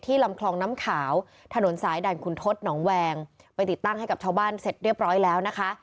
ลำคลองน้ำขาวถนนสายด่านคุณทศหนองแวงไปติดตั้งให้กับชาวบ้านเสร็จเรียบร้อยแล้วนะคะ